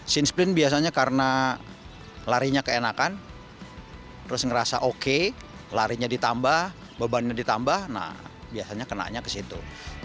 sin splint biasanya karena larinya keenakan terus ngerasa oke larinya ditambah beban ditambah nah biasanya kenanya kesitu